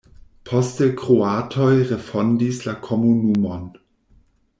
Poste kroatoj refondis la komunumon.